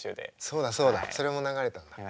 そうだそうだそれも流れたんだ。